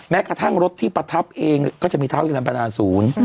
กระทั่งรถที่ประทับเองก็จะมีเท้าฮิรันพนาศูนย์